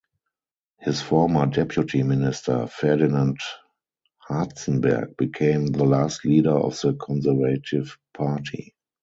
His former deputy minister, Ferdinand Hartzenberg, became the last leader of the Conservative Party.